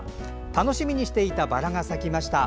楽しみにしていたバラが咲きました。